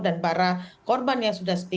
dan para korban yang sudah ditelahkan